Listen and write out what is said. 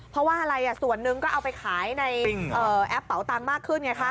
เพราะว่าส่วนนึงก็เอาไปขายในแอปเป่าตังมากขึ้น